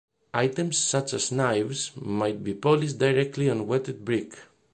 Items such as knives might be polished directly on a wetted brick.